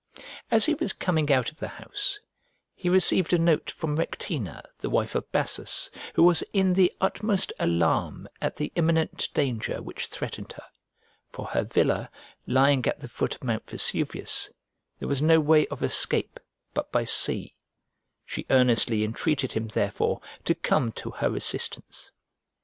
As he was coming out of the house, he received a note from Rectina, the wife of Bassus, who was in the utmost alarm at the imminent danger which threatened her; for her villa lying at the foot of Mount Vesuvius, there was no way of escape but by sea; she earnestly entreated him therefore to come to her assistance.